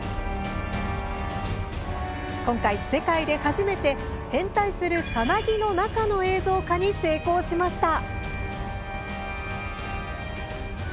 今回、世界で初めて変態するさなぎの中の映像化に成功しました。